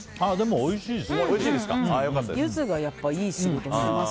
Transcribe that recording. おいしいです。